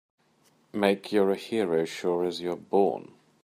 Make you're a hero sure as you're born!